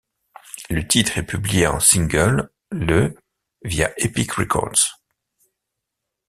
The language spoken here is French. Le titre est publié en single le via Epic Records.